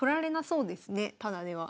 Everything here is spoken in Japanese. そうですね。